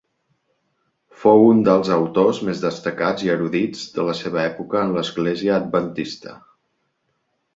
Fou un dels autors més destacats i erudits de la seva època en l'Església Adventista.